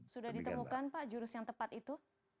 sudah ditemukan pak jurus yang tepat itu